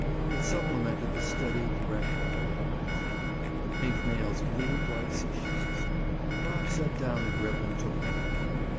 It supplemented the steady, direct violet eyes. The pink nails gleamed like sea shells. Bob set down the grip and took the hand.